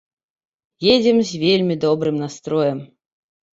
Едзем з вельмі добрым настроем.